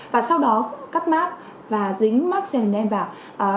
và sau đó cắt mát và dính mát bảy m vào